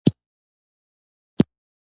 موږ به خپل کار ته دوام ورکوو.